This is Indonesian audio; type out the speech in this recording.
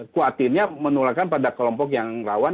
khawatirnya menularkan pada kelompok yang rawan